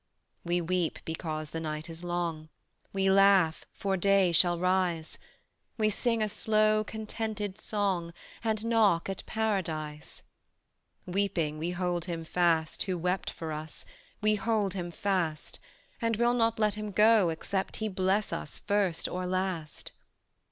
We weep because the night is long, We laugh, for day shall rise, We sing a slow contented song And knock at Paradise. Weeping we hold Him fast Who wept For us, we hold Him fast; And will not let Him go except He bless us first or last.